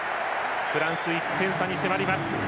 フランス、１点差に迫ります。